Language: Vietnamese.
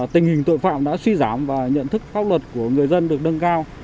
tình hình tội phạm đã suy giảm và nhận thức pháp luật của người dân được nâng cao